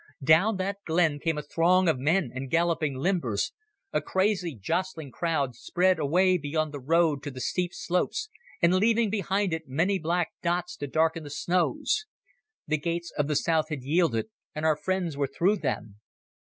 Down that glen came a throng of men and galloping limbers—a crazy, jostling crowd, spreading away beyond the road to the steep slopes, and leaving behind it many black dots to darken the snows. The gates of the South had yielded, and our friends were through them.